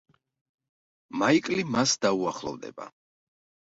მაიკლი მას დაუახლოვდება.